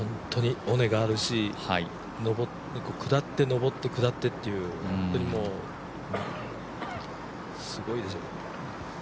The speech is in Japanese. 尾根があるし下って上って下ってっていう、本当に、すごいですよ。